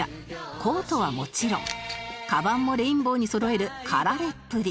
コートはもちろんカバンもレインボーにそろえる駆られっぷり